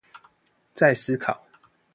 再思考